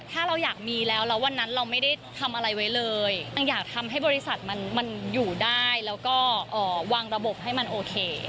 ถ้าเราอยากมีแล้วแล้ววันนั้นเราไม่ได้ทำอะไรไว้เลยนางอยากทำให้บริษัทมันอยู่ได้แล้วก็วางระบบให้มันโอเค